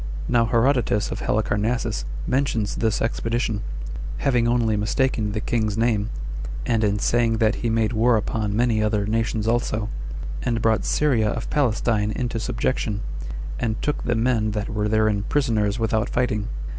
Now Herodotus of Halicarnassus mentions this expedition, having only mistaken the king's name; and [in saying that] he made war upon many other nations also, and brought Syria of Palestine into subjection, and took the men that were therein prisoners without fighting.